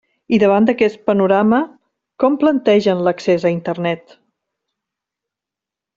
I davant d'aquest panorama, ¿com plantegen l'accés a Internet?